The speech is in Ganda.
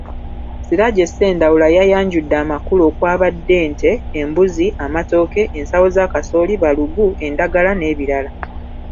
Siraje Ssendawula yayanjudde amakula okwabadde; ente, embuzi, amatooke, ensawo za kasooli, balugu, endagala n’ebirala.